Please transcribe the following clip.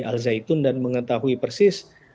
al zaitun dan mengetahui persis